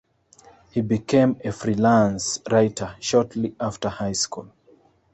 He became a freelance writer shortly after high school.